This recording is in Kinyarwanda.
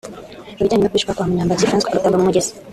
Ku bijyanye no kwicwa kwa Munyambazi François agatabwa mu mugezi